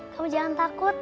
kamu jangan takut